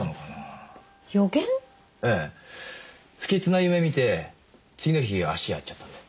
不吉な夢見て次の日足やっちゃったんで。